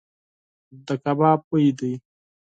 د کباب بوی دی .